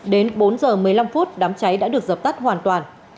đến bốn giờ một mươi năm phút đám cháy đã được dập tắt hoàn toàn